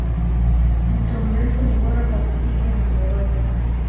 mto mrefu ni bora kwa kupiga minyororo